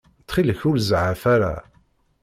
Ttxil-k, ur zeɛɛef ara.